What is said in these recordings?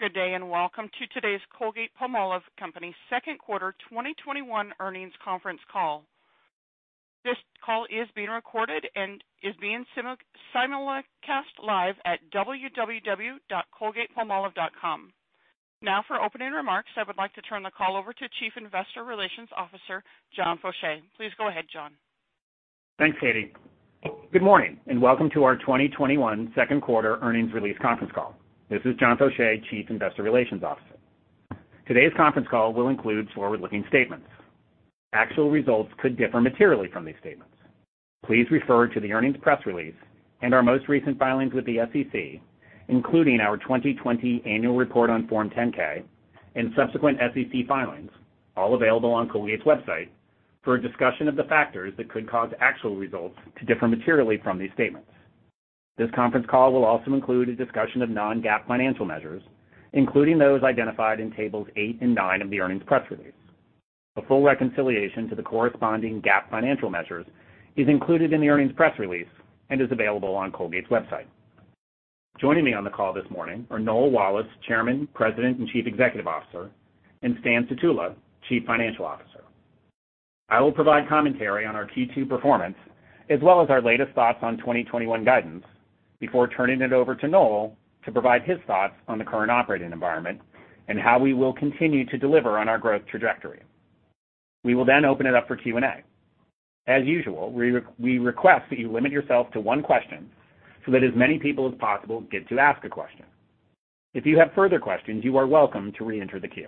Good day, and welcome to today's Colgate-Palmolive Company second quarter 2021 earnings conference call. This call is being recorded and is being simulcast live at www.colgatepalmolive.com. For opening remarks, I would like to turn the call over to Chief Investor Relations Officer, John Faucher. Please go ahead, John. Thanks, Katie. Good morning, and welcome to our 2021 second quarter earnings release conference call. This is John Faucher, Chief Investor Relations Officer. Today's conference call will include forward-looking statements. Actual results could differ materially from these statements. Please refer to the earnings press release and our most recent filings with the SEC, including our 2020 annual report on Form 10-K and subsequent SEC filings, all available on Colgate's website, for a discussion of the factors that could cause actual results to differ materially from these statements. This conference call will also include a discussion of non-GAAP financial measures, including those identified in tables eight and nine of the earnings press release. A full reconciliation to the corresponding GAAP financial measures is included in the earnings press release and is available on Colgate's website. Joining me on the call this morning are Noel Wallace, Chairman, President, and Chief Executive Officer, and Stan Sutula, Chief Financial Officer. I will provide commentary on our Q2 performance, as well as our latest thoughts on 2021 guidance before turning it over to Noel to provide his thoughts on the current operating environment and how we will continue to deliver on our growth trajectory. We will open it up for Q&A. As usual, we request that you limit yourself to one question so that as many people as possible get to ask a question. If you have further questions, you are welcome to reenter the queue.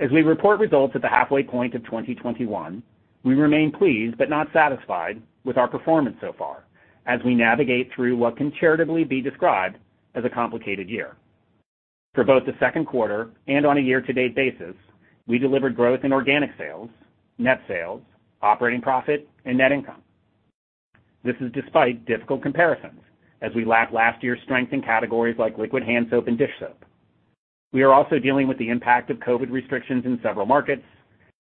As we report results at the halfway point of 2021, we remain pleased but not satisfied with our performance so far as we navigate through what can charitably be described as a complicated year. For both the second quarter and on a year-to-date basis, we delivered growth in organic sales, net sales, operating profit, and net income. This is despite difficult comparisons as we lap last year's strength in categories like liquid hand soap and dish soap. We are also dealing with the impact of COVID restrictions in several markets,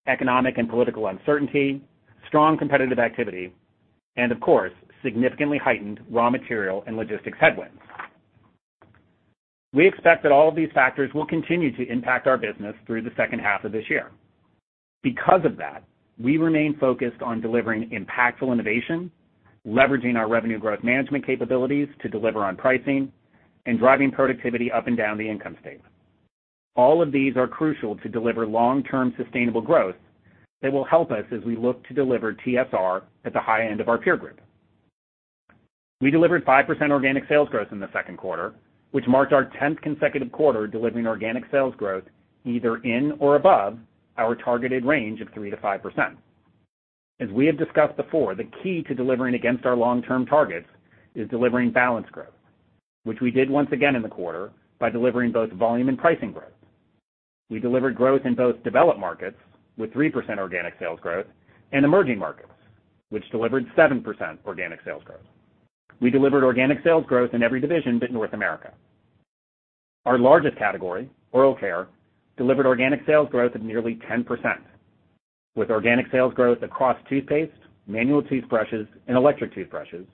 economic and political uncertainty, strong competitive activity, and of course, significantly heightened raw material and logistics headwinds. We expect that all of these factors will continue to impact our business through the second half of this year. Because of that, we remain focused on delivering impactful innovation, leveraging our revenue growth management capabilities to deliver on pricing, and driving productivity up and down the income statement. All of these are crucial to deliver long-term sustainable growth that will help us as we look to deliver TSR at the high end of our peer group. We delivered 5% organic sales growth in the second quarter, which marked our 10th consecutive quarter delivering organic sales growth either in or above our targeted range of 3%-5%. As we have discussed before, the key to delivering against our long-term targets is delivering balanced growth, which we did once again in the quarter by delivering both volume and pricing growth. We delivered growth in both developed markets with 3% organic sales growth and emerging markets, which delivered 7% organic sales growth. We delivered organic sales growth in every division but North America. Our largest category, oral care, delivered organic sales growth of nearly 10%, with organic sales growth across toothpaste, manual toothbrushes, and electric toothbrushes,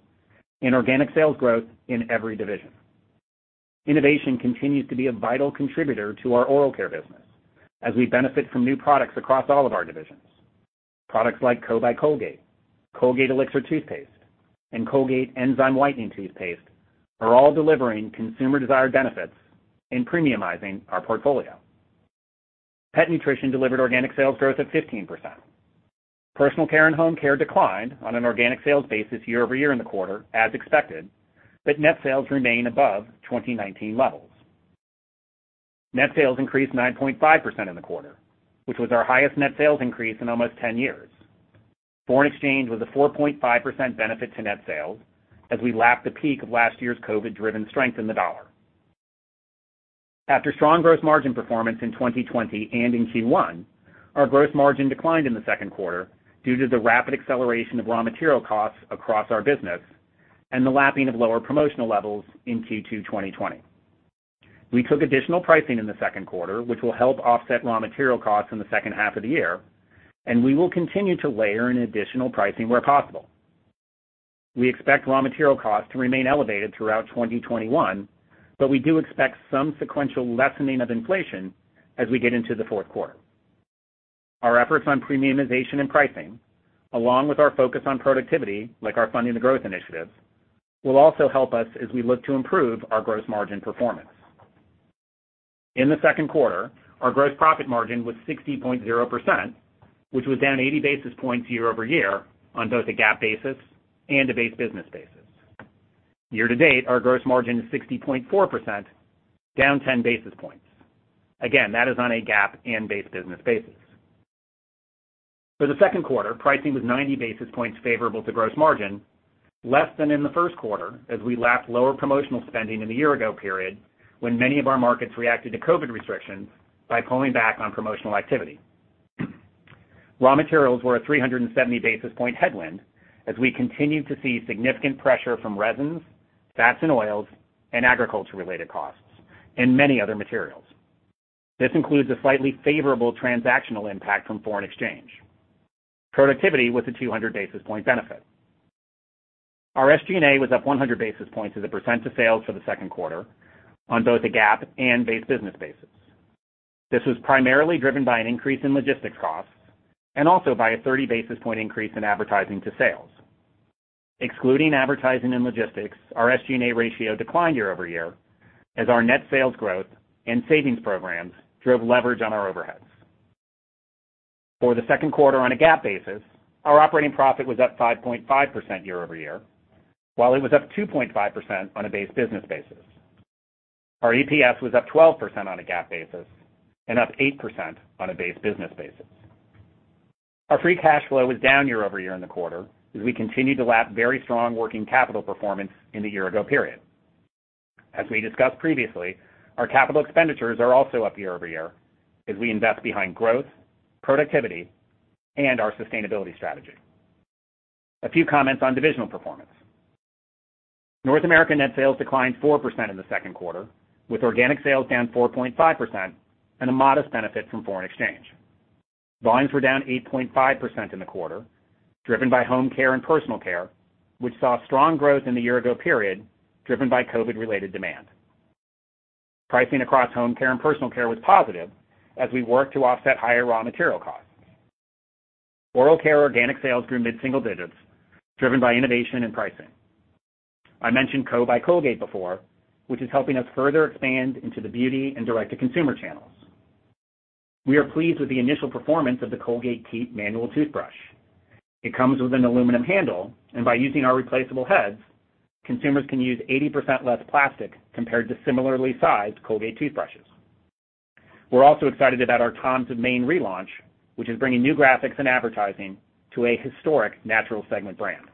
and organic sales growth in every division. Innovation continues to be a vital contributor to our oral care business as we benefit from new products across all of our divisions. Products like CO. by Colgate, Colgate Elixir toothpaste, and Colgate Enzyme whitening toothpaste are all delivering consumer-desired benefits and premiumizing our portfolio. Pet nutrition delivered organic sales growth of 15%. Personal care and home care declined on an organic sales basis year-over-year in the quarter as expected, but net sales remain above 2019 levels. Net sales increased 9.5% in the quarter, which was our highest net sales increase in almost 10 years. Foreign exchange was a 4.5% benefit to net sales as we lapped the peak of last year's COVID-driven strength in the dollar. After strong gross margin performance in 2020 and in Q1, our gross margin declined in the second quarter due to the rapid acceleration of raw material costs across our business and the lapping of lower promotional levels in Q2 2020. We took additional pricing in the second quarter, which will help offset raw material costs in the second half of the year, and we will continue to layer in additional pricing where possible. We expect raw material costs to remain elevated throughout 2021, but we do expect some sequential lessening of inflation as we get into the fourth quarter. Our efforts on premiumization and pricing, along with our focus on productivity, like our Funding the Growth initiatives, will also help us as we look to improve our gross margin performance. In the second quarter, our gross profit margin was 60.0%, which was down 80 basis points year-over-year on both a GAAP basis and a base business basis. Year-to-date, our gross margin is 60.4%, down 10 basis points. Again, that is on a GAAP and base business basis. For the second quarter, pricing was 90 basis points favorable to gross margin, less than in the first quarter as we lapped lower promotional spending in the year-ago period when many of our markets reacted to COVID restrictions by pulling back on promotional activity. Raw materials were a 370-basis point headwind as we continued to see significant pressure from resins, fats and oils, and agriculture-related costs and many other materials. This includes a slightly favorable transactional impact from foreign exchange. Productivity was a 200 basis point benefit. Our SG&A was up 100 basis points as a percent of sales for the second quarter on both a GAAP and base business basis. This was primarily driven by an increase in logistics costs and also by a 30 basis point increase in advertising to sales. Excluding advertising and logistics, our SG&A ratio declined year-over-year as our net sales growth and savings programs drove leverage on our overheads. For the second quarter on a GAAP basis, our operating profit was up 5.5% year-over-year, while it was up 2.5% on a base business basis. Our EPS was up 12% on a GAAP basis and up 8% on a base business basis. Our free cash flow was down year-over-year in the quarter as we continued to lap very strong working capital performance in the year-ago period. As we discussed previously, our capital expenditures are also up year-over-year as we invest behind growth, productivity, and our sustainability strategy. A few comments on divisional performance. North America net sales declined 4% in the second quarter, with organic sales down 4.5% and a modest benefit from foreign exchange. Volumes were down 8.5% in the quarter, driven by Home Care and Personal Care, which saw strong growth in the year ago period, driven by COVID-related demand. Pricing across Home Care and Personal Care was positive as we worked to offset higher raw material costs. Oral care organic sales grew mid-single digits, driven by innovation and pricing. I mentioned CO. by Colgate before, which is helping us further expand into the beauty and direct-to-consumer channels. We are pleased with the initial performance of the Colgate Keep manual toothbrush. It comes with an aluminum handle, and by using our replaceable heads, consumers can use 80% less plastic compared to similarly sized Colgate toothbrushes. We're also excited about our Tom's of Maine relaunch, which is bringing new graphics and advertising to a historic natural segment brand.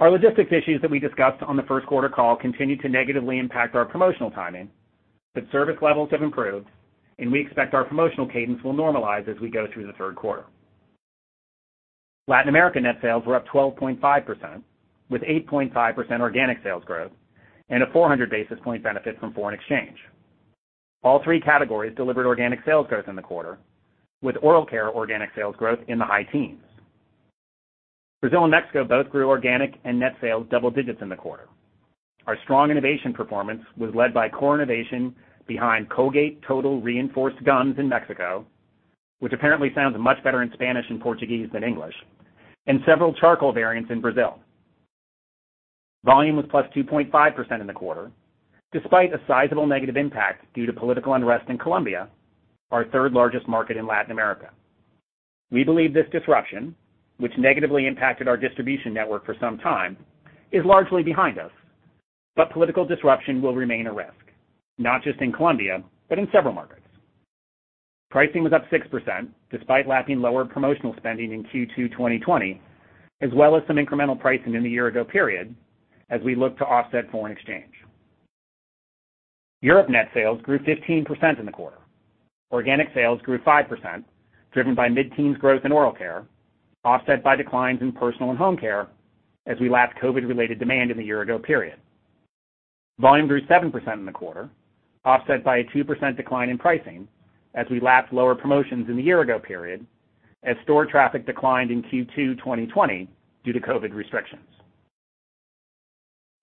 Our logistics issues that we discussed on the first quarter call continued to negatively impact our promotional timing, but service levels have improved, and we expect our promotional cadence will normalize as we go through the third quarter. Latin America net sales were up 12.5%, with 8.5% organic sales growth and a 400 basis point benefit from foreign exchange. All three categories delivered organic sales growth in the quarter, with oral care organic sales growth in the high teens. Brazil and Mexico both grew organic and net sales double digits in the quarter. Our strong innovation performance was led by core innovation behind Colgate Total Reinforced Gums in Mexico, which apparently sounds much better in Spanish and Portuguese than English, and several charcoal variants in Brazil. Volume was plus 2.5% in the quarter, despite a sizable negative impact due to political unrest in Colombia, our third largest market in Latin America. We believe this disruption, which negatively impacted our distribution network for some time, is largely behind us, but political disruption will remain a risk, not just in Colombia, but in several markets. Pricing was up 6%, despite lapping lower promotional spending in Q2 2020, as well as some incremental pricing in the year ago period as we look to offset foreign exchange. Europe net sales grew 15% in the quarter. Organic sales grew 5%, driven by mid-teens growth in oral care, offset by declines in personal and home care as we lapped COVID-related demand in the year ago period. Volume grew 7% in the quarter, offset by a 2% decline in pricing as we lapped lower promotions in the year ago period as store traffic declined in Q2 2020 due to COVID restrictions.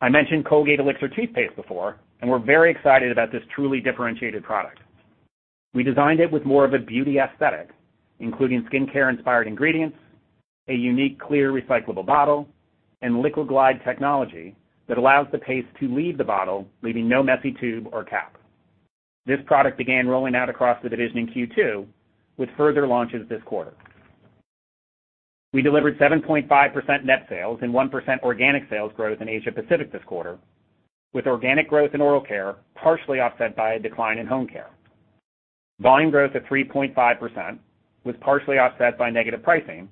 I mentioned Colgate Elixir toothpaste before, and we're very excited about this truly differentiated product. We designed it with more of a beauty aesthetic, including skincare-inspired ingredients, a unique, clear recyclable bottle, and LiquiGlide technology that allows the paste to leave the bottle, leaving no messy tube or cap. This product began rolling out across the division in Q2, with further launches this quarter. We delivered 7.5% net sales and 1% organic sales growth in Asia Pacific this quarter, with organic growth in oral care partially offset by a decline in home care. Volume growth of 3.5% was partially offset by negative pricing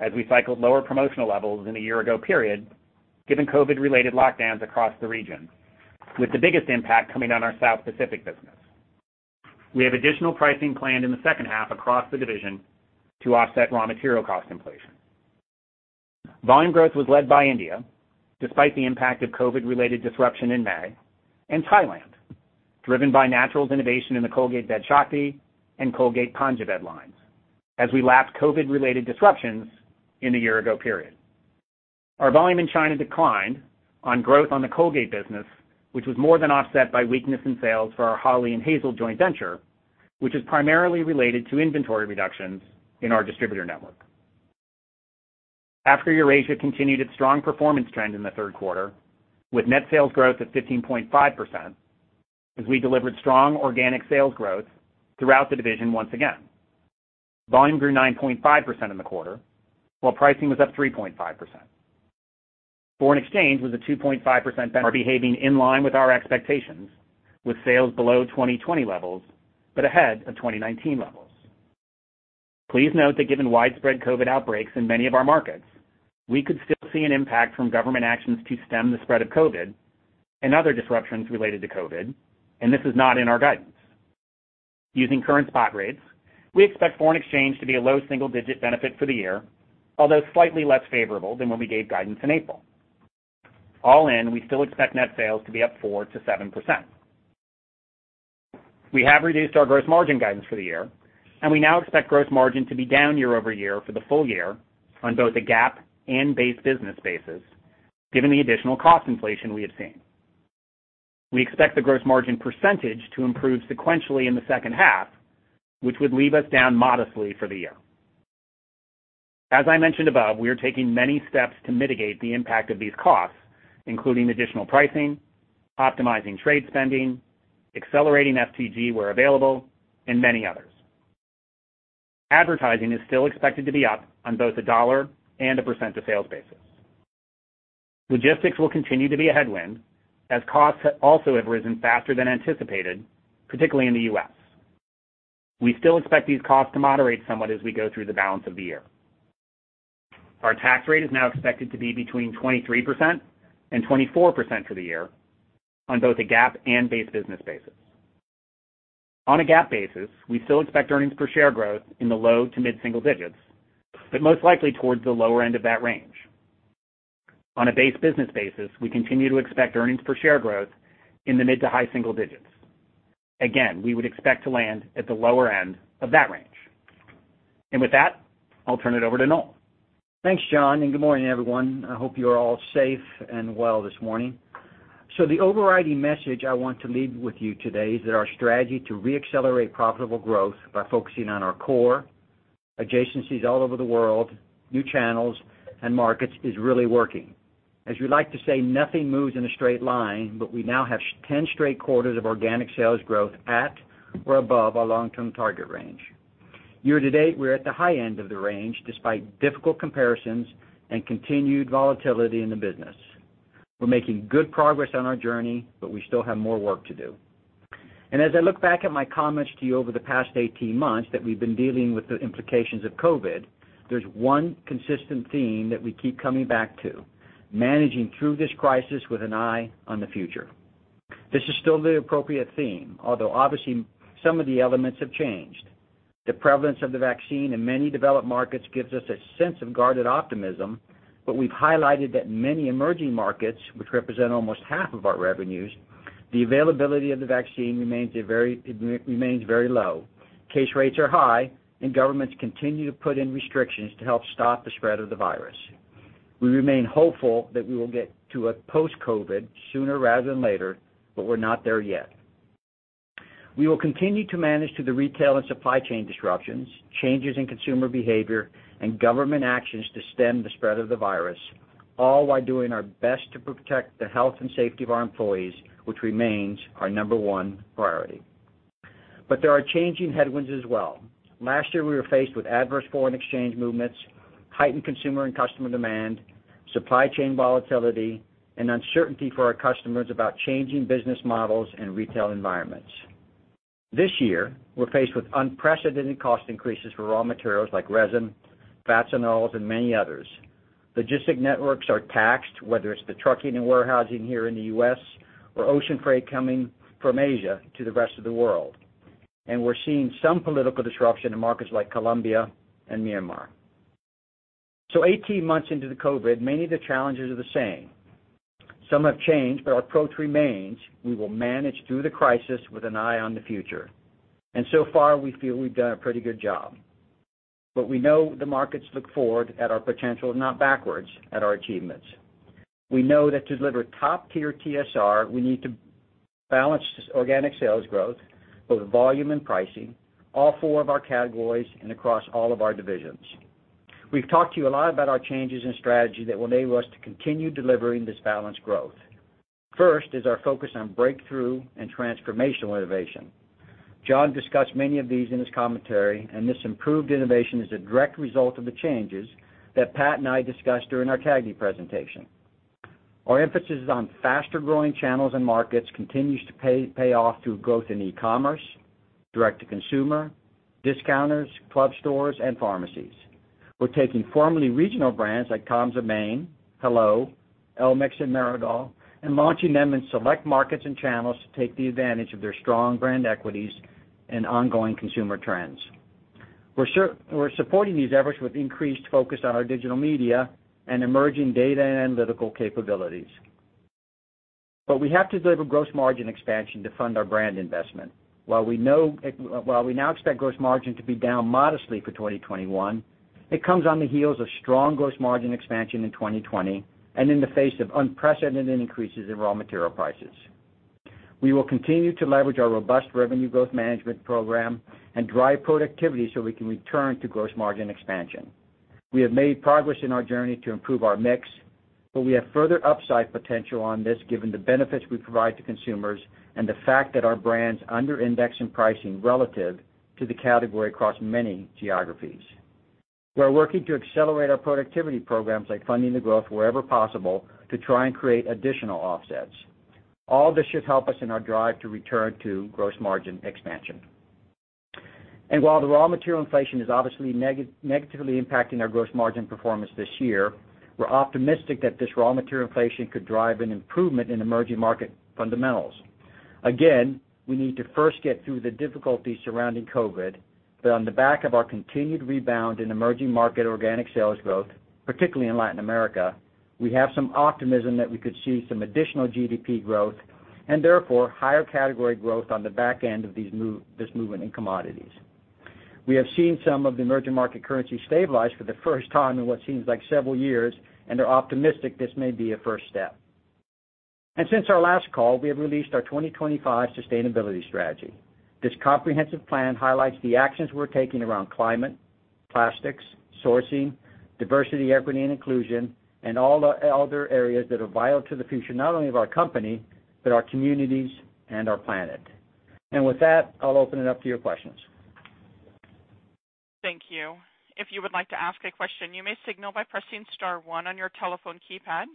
as we cycled lower promotional levels in the year ago period, given COVID-related lockdowns across the region, with the biggest impact coming on our South Pacific business. We have additional pricing planned in the second half across the division to offset raw material cost inflation. Volume growth was led by India, despite the impact of COVID-related disruption in May, and Thailand, driven by naturals innovation in the Colgate Vedshakti and Colgate Panjaved lines as we lap COVID-related disruptions in the year ago period. Our volume in China declined on growth on the Colgate business, which was more than offset by weakness in sales for our Hawley & Hazel joint venture, which is primarily related to inventory reductions in our distributor network. Africa/Eurasia continued its strong performance trend in the third quarter, with net sales growth of 15.5% as we delivered strong organic sales growth throughout the division once again. Volume grew 9.5% in the quarter, while pricing was up 3.5%. Foreign exchange was a 2.5% benefit. Are behaving in line with our expectations, with sales below 2020 levels, but ahead of 2019 levels. Please note that given widespread COVID outbreaks in many of our markets, we could still see an impact from government actions to stem the spread of COVID and other disruptions related to COVID, and this is not in our guidance. Using current spot rates, we expect foreign exchange to be a low single-digit benefit for the year, although slightly less favorable than when we gave guidance in April. All in, we still expect net sales to be up 4%-7%. We have reduced our gross margin guidance for the year, and we now expect gross margin to be down year-over-year for the full year on both a GAAP and base business basis, given the additional cost inflation we have seen. We expect the gross margin percentage to improve sequentially in the second half, which would leave us down modestly for the year. As I mentioned above, we are taking many steps to mitigate the impact of these costs, including additional pricing, optimizing trade spending, accelerating FTG where available, and many others. Advertising is still expected to be up on both a dollar and a percent of sales basis. Logistics will continue to be a headwind, as costs also have risen faster than anticipated, particularly in the U.S. We still expect these costs to moderate somewhat as we go through the balance of the year. Our tax rate is now expected to be between 23% and 24% for the year on both a GAAP and base business basis. On a GAAP basis, we still expect earnings per share growth in the low to mid-single digits, but most likely towards the lower end of that range. On a base business basis, we continue to expect earnings per share growth in the mid to high single digits. Again, we would expect to land at the lower end of that range. With that, I'll turn it over to Noel. Thanks, John, and good morning, everyone. I hope you are all safe and well this morning. The overriding message I want to leave with you today is that our strategy to re-accelerate profitable growth by focusing on our core adjacencies all over the world, new channels, and markets is really working. As we like to say, nothing moves in a straight line, but we now have 10 straight quarters of organic sales growth at or above our long-term target range. Year to date, we're at the high end of the range, despite difficult comparisons and continued volatility in the business. We're making good progress on our journey, but we still have more work to do. As I look back at my comments to you over the past 18 months that we've been dealing with the implications of COVID, there's one consistent theme that we keep coming back to: managing through this crisis with an eye on the future. This is still the appropriate theme, although obviously some of the elements have changed. The prevalence of the vaccine in many developed markets gives us a sense of guarded optimism, but we've highlighted that many emerging markets, which represent almost half of our revenues, the availability of the vaccine remains very low. Case rates are high, and governments continue to put in restrictions to help stop the spread of the virus. We remain hopeful that we will get to a post-COVID sooner rather than later, but we're not there yet. We will continue to manage to the retail and supply chain disruptions, changes in consumer behavior, and government actions to stem the spread of the virus, all while doing our best to protect the health and safety of our employees, which remains our number one priority. There are changing headwinds as well. Last year, we were faced with adverse foreign exchange movements, heightened consumer and customer demand, supply chain volatility, and uncertainty for our customers about changing business models and retail environments. This year, we're faced with unprecedented cost increases for raw materials like resin, fats and oils, and many others. Logistic networks are taxed, whether it's the trucking and warehousing here in the U.S. or ocean freight coming from Asia to the rest of the world. We're seeing some political disruption in markets like Colombia and Myanmar. 18 months into the COVID, many of the challenges are the same. Some have changed, our approach remains. We will manage through the crisis with an eye on the future. We feel we've done a pretty good job. We know the markets look forward at our potential, not backwards at our achievements. We know that to deliver top-tier TSR, we need to balance organic sales growth, both volume and pricing, all four of our categories, and across all of our divisions. We've talked to you a lot about our changes in strategy that will enable us to continue delivering this balanced growth. First is our focus on breakthrough and transformational innovation. John discussed many of these in his commentary, this improved innovation is a direct result of the changes that Pat and I discussed during our CAGNY presentation. Our emphasis on faster-growing channels and markets continues to pay off through growth in e-commerce, direct-to-consumer, discounters, club stores, and pharmacies. We're taking formerly regional brands like Tom's of Maine, Hello, Elmex, and Meridol and launching them in select markets and channels to take the advantage of their strong brand equities and ongoing consumer trends. We're supporting these efforts with increased focus on our digital media and emerging data analytical capabilities. We have to deliver gross margin expansion to fund our brand investment. While we now expect gross margin to be down modestly for 2021, it comes on the heels of strong gross margin expansion in 2020 and in the face of unprecedented increases in raw material prices. We will continue to leverage our robust revenue growth management program and drive productivity so we can return to gross margin expansion. We have made progress in our journey to improve our mix, but we have further upside potential on this given the benefits we provide to consumers and the fact that our brands under-index in pricing relative to the category across many geographies. We are working to accelerate our productivity programs like Funding the Growth wherever possible to try and create additional offsets. All this should help us in our drive to return to gross margin expansion. While the raw material inflation is obviously negatively impacting our gross margin performance this year, we're optimistic that this raw material inflation could drive an improvement in emerging market fundamentals. Again, we need to first get through the difficulties surrounding COVID, but on the back of our continued rebound in emerging market organic sales growth, particularly in Latin America, we have some optimism that we could see some additional GDP growth, and therefore, higher category growth on the back end of this movement in commodities. We have seen some of the emerging market currency stabilize for the first time in what seems like several years, and they're optimistic this may be a first step. Since our last call, we have released our 2025 sustainability strategy. This comprehensive plan highlights the actions we're taking around climate, plastics, sourcing, diversity, equity, and inclusion, and all the other areas that are vital to the future, not only of our company, but our communities and our planet. With that, I'll open it up to your questions. Thank you. If you would like to ask a question, you may signal by pressing star one on your telephone keypad.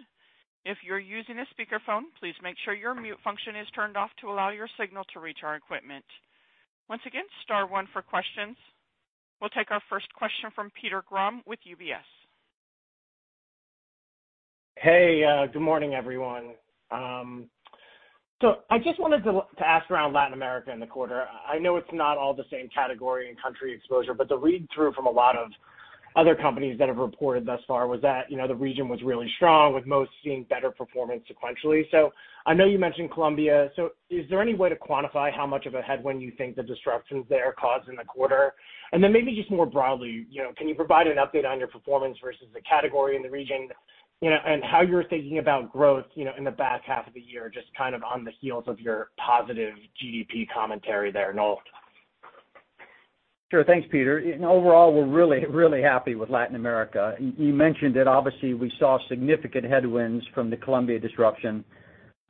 If you are using a speakerphone, please make sure your mute function is turned off to allow your signal to reach our equipment. Once again, star one for questions. We'll take our first question from Peter Grom with UBS. Hey, good morning, everyone. I just wanted to ask around Latin America in the quarter. I know it's not all the same category and country exposure, but the read-through from a lot of other companies that have reported thus far was that the region was really strong, with most seeing better performance sequentially. I know you mentioned Colombia. Is there any way to quantify how much of a headwind you think the disruptions there caused in the quarter? Maybe just more broadly, can you provide an update on your performance versus the category in the region, and how you're thinking about growth in the back half of the year, just on the heels of your positive GDP commentary there, Noel? Sure. Thanks, Peter. Overall, we're really happy with Latin America. You mentioned that obviously we saw significant headwinds from the Colombia disruption,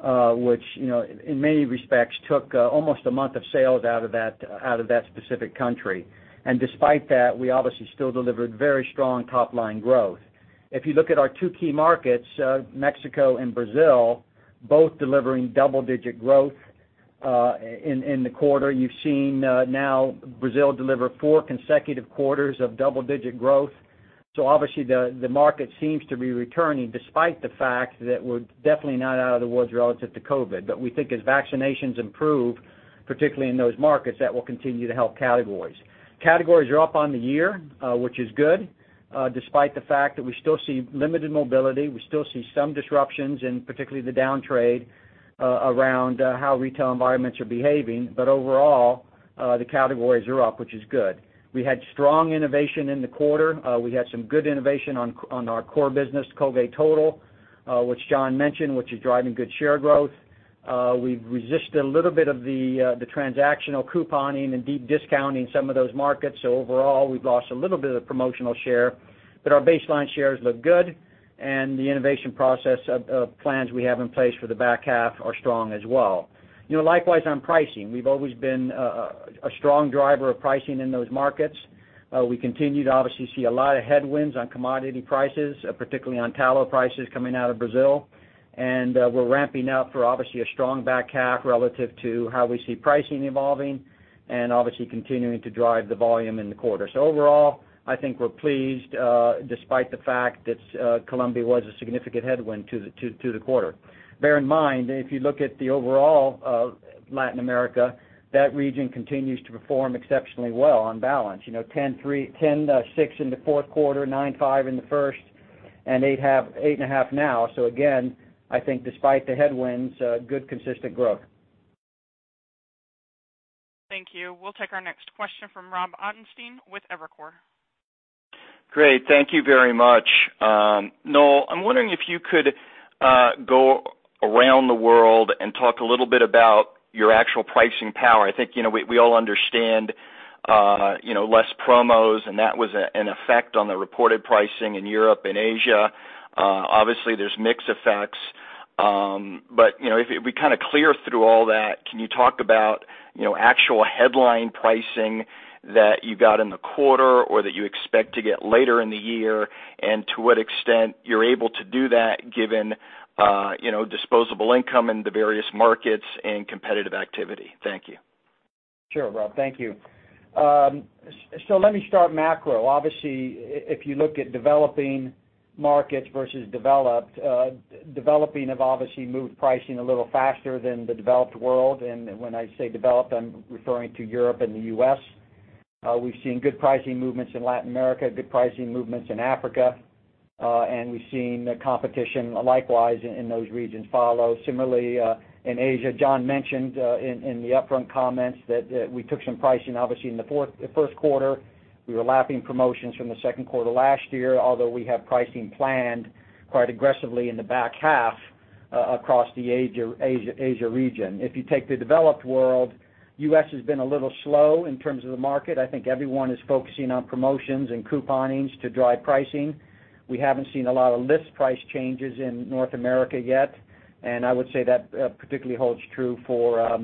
which, in many respects, took almost a month of sales out of that specific country. Despite that, we obviously still delivered very strong top-line growth. If you look at our two key markets, Mexico and Brazil, both delivering double-digit growth in the quarter. You've seen now Brazil deliver four consecutive quarters of double-digit growth. Obviously the market seems to be returning, despite the fact that we're definitely not out of the woods relative to COVID. We think as vaccinations improve, particularly in those markets, that will continue to help categories. Categories are up on the year, which is good, despite the fact that we still see limited mobility, we still see some disruptions in particularly the down trade around how retail environments are behaving. Overall, the categories are up, which is good. We had strong innovation in the quarter. We had some good innovation on our core business, Colgate Total, which John mentioned, which is driving good share growth. We've resisted a little bit of the transactional couponing and deep discounting in some of those markets. Overall, we've lost a little bit of promotional share, but our baseline shares look good and the innovation process of plans we have in place for the back half are strong as well. Likewise on pricing, we've always been a strong driver of pricing in those markets. We continue to obviously see a lot of headwinds on commodity prices, particularly on tallow prices coming out of Brazil. We're ramping up for obviously a strong back half relative to how we see pricing evolving and obviously continuing to drive the volume in the quarter. Overall, I think we're pleased, despite the fact that Colombia was a significant headwind to the quarter. Bear in mind, if you look at the overall Latin America, that region continues to perform exceptionally well on balance. 10.6% in the fourth quarter, 9.5% in the first, and 8.5% now. Again, I think despite the headwinds, good consistent growth. Thank you. We'll take our next question from Rob Ottenstein with Evercore. Great. Thank you very much. Noel, I'm wondering if you could go around the world and talk a little bit about your actual pricing power. I think we all understand less promos and that was one effect on the reported pricing in Europe and Asia. Obviously there's mix effects. If we clear through all that, can you talk about actual headline pricing that you got in the quarter or that you expect to get later in the year, and to what extent you're able to do that given disposable income in the various markets and competitive activity? Thank you. Sure, Rob. Thank you. Let me start macro. Obviously, if you look at developing markets versus developed, developing have obviously moved pricing a little faster than the developed world. When I say developed, I'm referring to Europe and the U.S. We've seen good pricing movements in Latin America, good pricing movements in Africa, and we've seen competition likewise in those regions follow. Similarly, in Asia, John mentioned in the upfront comments that we took some pricing, obviously in the first quarter. We were lapping promotions from the second quarter last year, although we have pricing planned quite aggressively in the back half across the Asia region. If you take the developed world, U.S. has been a little slow in terms of the market. I think everyone is focusing on promotions and couponings to drive pricing. We haven't seen a lot of list price changes in North America yet, and I would say that particularly holds true for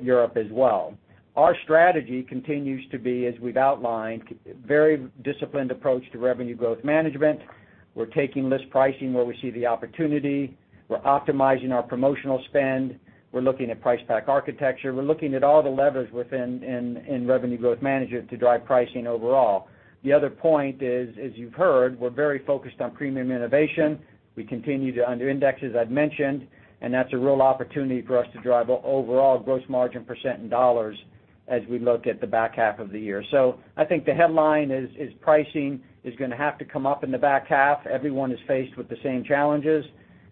Europe as well. Our strategy continues to be, as we've outlined, very disciplined approach to revenue growth management. We're taking list pricing where we see the opportunity. We're optimizing our promotional spend. We're looking at price pack architecture. We're looking at all the levers within revenue growth management to drive pricing overall. The other point is, as you've heard, we're very focused on premium innovation. We continue to under-index, as I'd mentioned, and that's a real opportunity for us to drive overall gross margin percent in dollars as we look at the back half of the year. I think the headline is pricing is going to have to come up in the back half. Everyone is faced with the same challenges,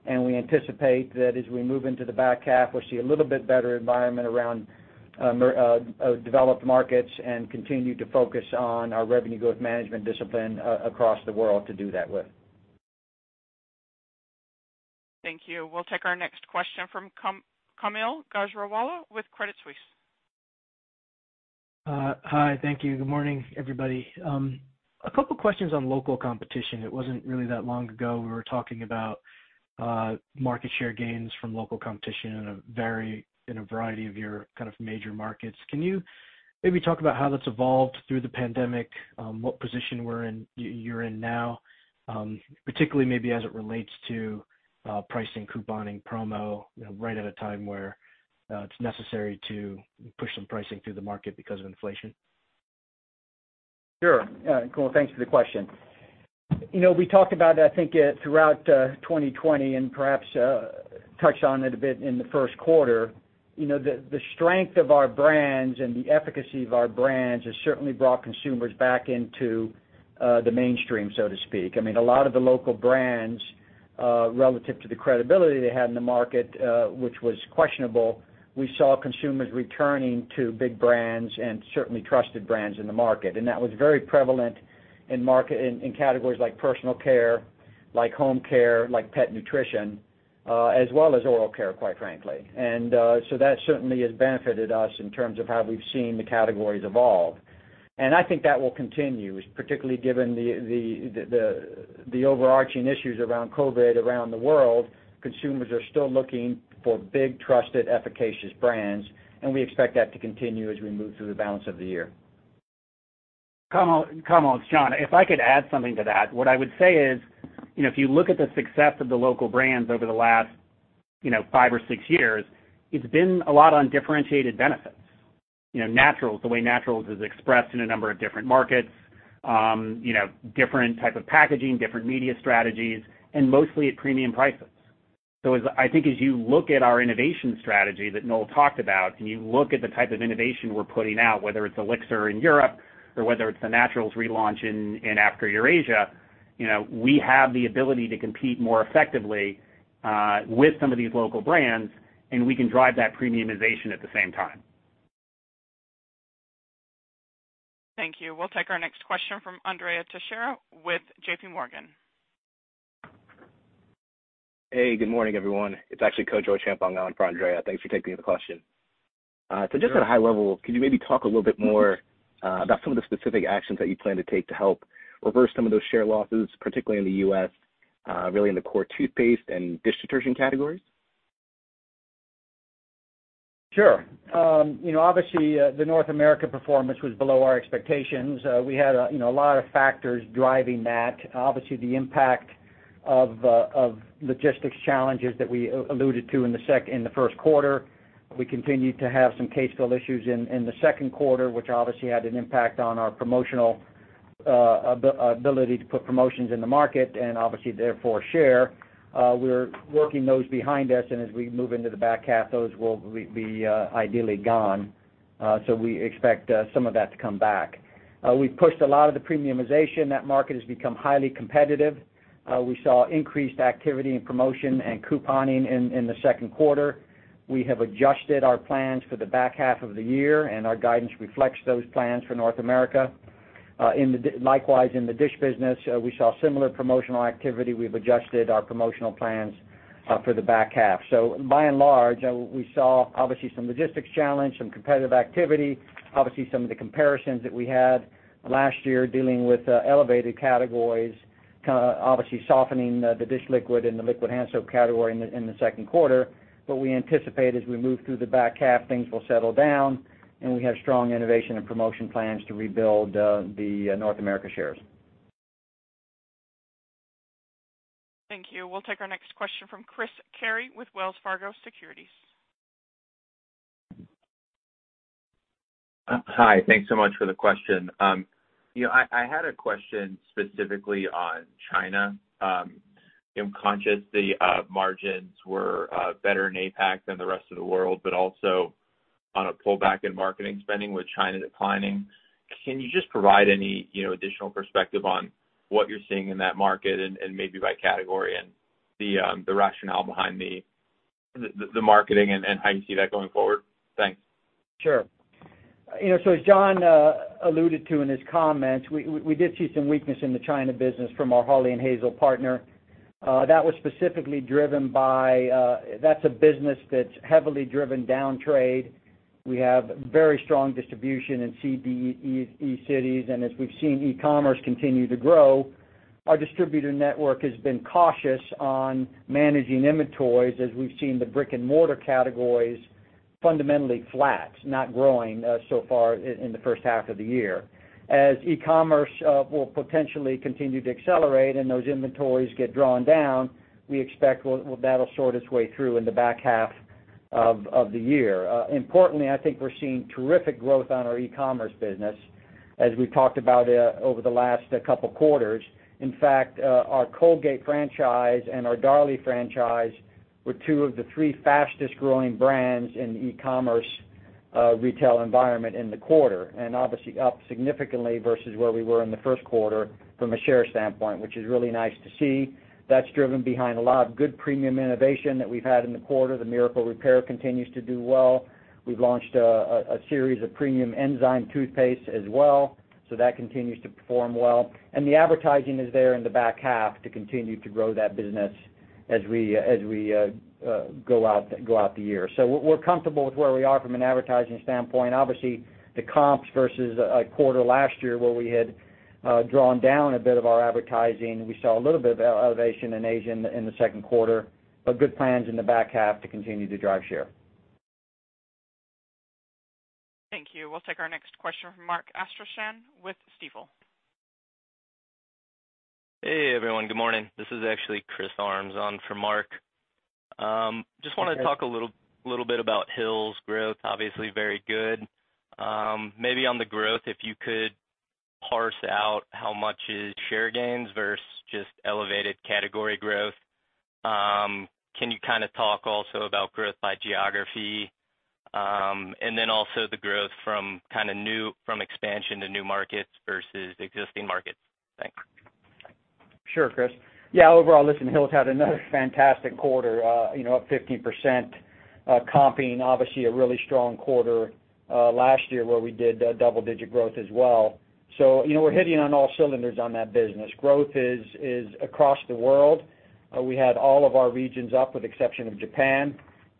and we anticipate that as we move into the back half, we'll see a little bit better environment around developed markets and continue to focus on our revenue growth management discipline across the world to do that with. Thank you. We'll take our next question from Kaumil Gajrawala with Credit Suisse. Hi. Thank you. Good morning, everybody. A couple questions on local competition. It wasn't really that long ago we were talking about market share gains from local competition in a variety of your major markets. Can you maybe talk about how that's evolved through the pandemic, what position you're in now, particularly maybe as it relates to pricing, couponing, promo right at a time where it's necessary to push some pricing through the market because of inflation? Sure. Kaumil, thanks for the question. We talked about, I think, throughout 2020 and perhaps touched on it a bit in the first quarter. The strength of our brands and the efficacy of our brands has certainly brought consumers back into the mainstream, so to speak. I mean, a lot of the local brands, relative to the credibility they had in the market, which was questionable, we saw consumers returning to big brands and certainly trusted brands in the market. That was very prevalent in categories like personal care, like home care, like pet nutrition, as well as oral care, quite frankly. So that certainly has benefited us in terms of how we've seen the categories evolve. I think that will continue, particularly given the overarching issues around COVID around the world. Consumers are still looking for big, trusted, efficacious brands, and we expect that to continue as we move through the balance of the year. Kaumil, it's John. If I could add something to that, what I would say is, if you look at the success of the local brands over the last five or six years, it's been a lot on differentiated benefits. The way naturals is expressed in a number of different markets, different type of packaging, different media strategies, and mostly at premium prices. I think as you look at our innovation strategy that Noel talked about, and you look at the type of innovation we're putting out, whether it's Elixir in Europe or whether it's the naturals relaunch in Africa/Eurasia, we have the ability to compete more effectively with some of these local brands, and we can drive that premiumization at the same time. Thank you. We'll take our next question from Andrea Teixeira with JPMorgan. Hey, good morning, everyone. It's actually Kodjo Tshienguan for Andrea. Thanks for taking the question. Sure. Just at a high level, could you maybe talk a little bit more about some of the specific actions that you plan to take to help reverse some of those share losses, particularly in the U.S., really in the core toothpaste and dish detergent categories? Sure. Obviously, the North America performance was below our expectations. We had a lot of factors driving that. Obviously, the impact of logistics challenges that we alluded to in the first quarter. We continued to have some case fill issues in the second quarter, which obviously had an impact on our promotional ability to put promotions in the market and obviously, therefore, share. We're working those behind us, and as we move into the back half, those will be ideally gone. We expect some of that to come back. We've pushed a lot of the premiumization. That market has become highly competitive. We saw increased activity in promotion and couponing in the second quarter. We have adjusted our plans for the back half of the year, and our guidance reflects those plans for North America. Likewise, in the dish business, we saw similar promotional activity. We've adjusted our promotional plans for the back half. By and large, we saw obviously some logistics challenge, some competitive activity, obviously some of the comparisons that we had last year dealing with elevated categories, obviously softening the dish liquid and the liquid hand soap category in the second quarter. We anticipate as we move through the back half, things will settle down, and we have strong innovation and promotion plans to rebuild the North America shares. Thank you. We'll take our next question from Chris Carey with Wells Fargo Securities. Hi, thanks so much for the question. I had a question specifically on China. Consciously, margins were better in APAC than the rest of the world, but also on a pullback in marketing spending with China declining. Can you just provide any additional perspective on what you're seeing in that market and maybe by category and the rationale behind the marketing and how you see that going forward? Thanks. Sure. As John alluded to in his comments, we did see some weakness in the China business from our Hawley & Hazel partner. That's a business that's heavily driven down trade. We have very strong distribution in CDE cities, and as we've seen e-commerce continue to grow, our distributor network has been cautious on managing inventories as we've seen the brick and mortar categories fundamentally flat, not growing so far in the first half of the year. As e-commerce will potentially continue to accelerate and those inventories get drawn down, we expect that'll sort its way through in the back half of the year. Importantly, I think we're seeing terrific growth on our e-commerce business, as we've talked about over the last couple of quarters. In fact, our Colgate franchise and our Darlie franchise were two of the three fastest-growing brands in the e-commerce retail environment in the quarter. Obviously, up significantly versus where we were in the first quarter from a share standpoint, which is really nice to see. That's driven behind a lot of good premium innovation that we've had in the quarter. The Miracle Repair continues to do well. We've launched a series of premium enzyme toothpastes as well, so that continues to perform well. The advertising is there in the back half to continue to grow that business as we go out the year. We're comfortable with where we are from an advertising standpoint. Obviously, the comps versus a quarter last year, where we had drawn down a bit of our advertising, we saw a little bit of elevation in Asia in the second quarter, but good plans in the back half to continue to drive share. Thank you. We'll take our next question from Mark Astrachan with Stifel. Hey, everyone. Good morning. This is actually Chris Armes on for Mark. Okay. Just wanted to talk a little bit about Hill's growth. Obviously very good. Maybe on the growth, if you could parse out how much is share gains versus just elevated category growth. Can you talk also about growth by geography? Also the growth from expansion to new markets versus existing markets? Thanks. Sure, Chris. Yeah, overall, listen, Hill's had another fantastic quarter, up 15%, comping obviously a really strong quarter last year, where we did double-digit growth as well. We're hitting on all cylinders on that business. Growth is across the world. We had all of our regions up with exception of Japan.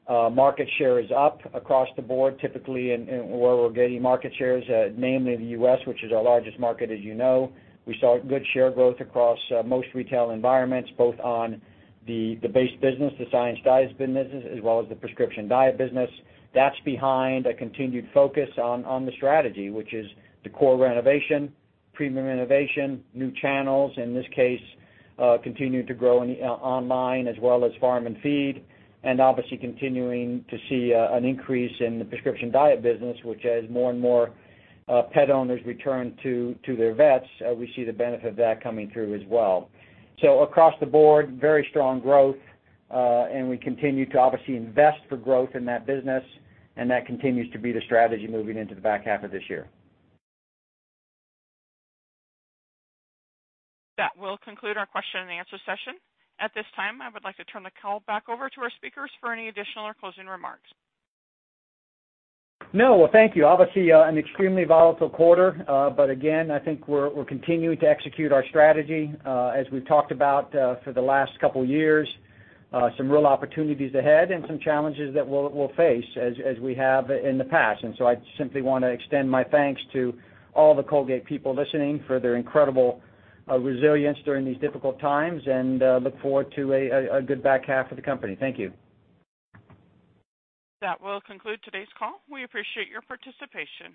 Market share is up across the board, typically where we're gaining market share is at namely the U.S., which is our largest market, as you know. We saw good share growth across most retail environments, both on the base business, the Science Diet business, as well as the Prescription Diet business. That's behind a continued focus on the strategy, which is the core renovation, premium renovation, new channels, in this case continuing to grow online as well as farm and feed, and obviously continuing to see an increase in the Prescription Diet business, which as more and more pet owners return to their vets, we see the benefit of that coming through as well. Across the board, very strong growth, and we continue to obviously invest for growth in that business, and that continues to be the strategy moving into the back half of this year. That will conclude our question and answer session. At this time, I would like to turn the call back over to our speakers for any additional or closing remarks. No. Well, thank you. Obviously, an extremely volatile quarter. Again, I think we're continuing to execute our strategy. As we've talked about for the last couple of years, some real opportunities ahead and some challenges that we'll face, as we have in the past. I simply want to extend my thanks to all the Colgate people listening for their incredible resilience during these difficult times and look forward to a good back half for the company. Thank you. That will conclude today's call. We appreciate your participation.